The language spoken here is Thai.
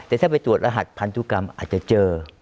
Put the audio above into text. แต่ถ้าไปตรวจรหัสพันธุกรรมอาจจะเจอ